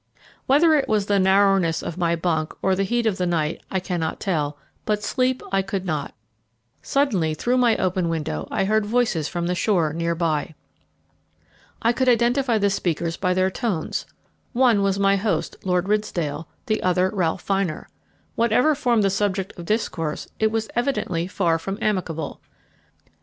Whether it was the narrowness of my bunk or the heat of the night, I cannot tell, but sleep I could not. Suddenly through my open window I heard voices from the shore near by. I could identify the speakers by their tones one was my host, Lord Ridsdale, the other Ralph Vyner. Whatever formed the subject of discourse it was evidently far from amicable.